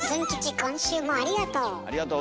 今週もありがとう。